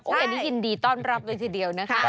อันนี้ยินดีต้อนรับเลยทีเดียวนะคะ